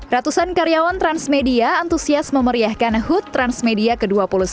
ratusan karyawan transmedia antusias memeriahkan hut transmedia ke dua puluh satu